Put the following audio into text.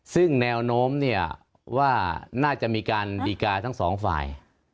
ซึ่งแนวโน้มเนี่ยว่าน่าจะมีการดีการ์ทั้งสองฝ่าย